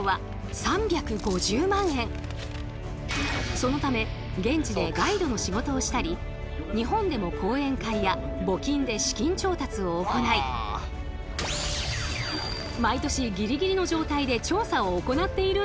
そのため現地でガイドの仕事をしたり日本でも講演会や募金で資金調達を行い最近ではですね